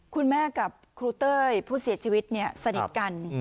คุณแม่กับครูเต้ยผู้เสียชีวิตสนิทกัน